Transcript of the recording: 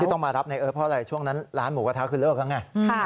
ต้องมารับในเอิร์ทเพราะอะไรช่วงนั้นร้านหมูกระทะคือเลิกแล้วไง